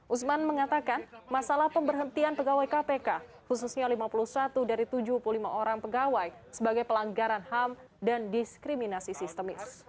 usman mengatakan masalah pemberhentian pegawai kpk khususnya lima puluh satu dari tujuh puluh lima orang pegawai sebagai pelanggaran ham dan diskriminasi sistemis